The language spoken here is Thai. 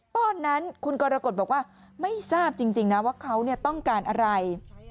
ตอนนั้นคุณกรกฎบอกว่าไม่ทราบจริงนะว่าเขาต้องการอะไร